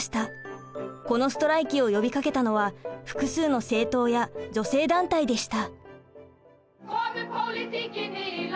このストライキを呼びかけたのは複数の政党や女性団体でした。